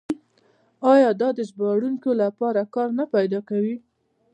آیا دا د ژباړونکو لپاره کار نه پیدا کوي؟